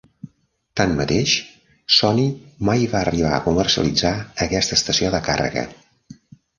Tanmateix, Sony mai va arribar a comercialitzar aquesta estació de càrrega.